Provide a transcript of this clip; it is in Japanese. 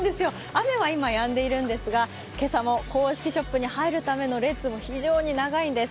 雨は今やんでいるんですが、今朝も公式ショップに入るための列も非常に長いんです。